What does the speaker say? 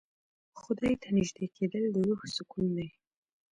خدای ته نژدې کېدل د روح سکون دی.